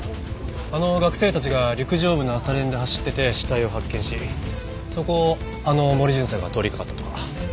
あの学生たちが陸上部の朝練で走ってて死体を発見しそこをあの森巡査が通りかかったとか。